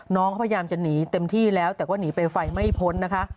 น้องเขาพยายามจะหนีเต็มที่แล้วแต่ก็หนีไปไฟไม่พ้นนะคะ